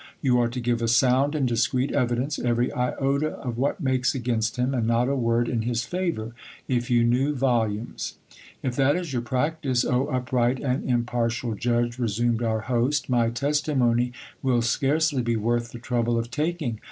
You are to give a sound and discreet evidence ; every iota of what makes against him, and not a word in his favour, if you knew volumes. If that is your practice, O upright and im partial judge, resumed our host, my testimony will scarcely be worth the trouble of taking.